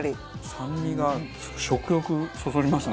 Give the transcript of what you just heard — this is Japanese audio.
酸味が食欲そそりますね